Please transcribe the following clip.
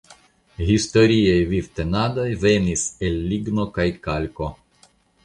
Historiaj vivtenadoj venis el ligno kaj kalko.